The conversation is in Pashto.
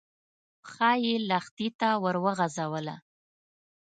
پښه يې لښتي ته ور وغځوله.